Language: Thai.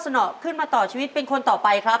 ขอเชยคุณพ่อสนอกขึ้นมาต่อชีวิตเป็นคนต่อไปครับ